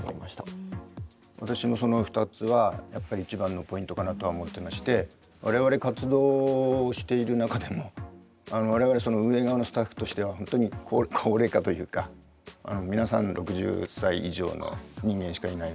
私もその２つはやっぱり一番のポイントかなとは思ってまして我々活動している中でも我々運営側のスタッフとしては本当に高齢化というか皆さん６０歳以上の人間しかいないので。